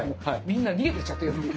みんな逃げてっちゃって夜に。